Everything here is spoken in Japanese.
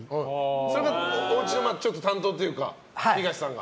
それが、おうちの担当というか東さんが。